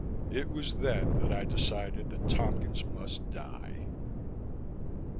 It was then that I decided that Tompkins must die.